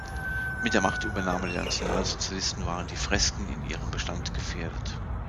Mit der Machtübernahme der Nationalsozialisten waren die Fresken in ihrem Bestand gefährdet.